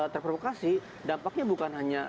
terprovokasi dampaknya bukan hanya